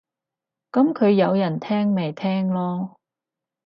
噉佢有人聽咪聽囉